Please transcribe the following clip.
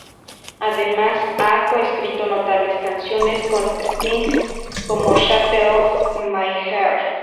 Además ha co-escrito notables canciones con Sting como "Shape of My Heart".